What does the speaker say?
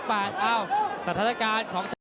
ตามต่อยกที่สองครับ